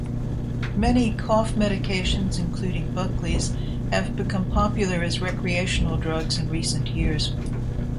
Many cough medications, including Buckley's, have become popular as recreational drugs in recent years.